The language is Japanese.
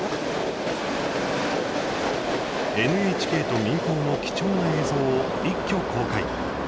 ＮＨＫと民放の貴重な映像を一挙公開。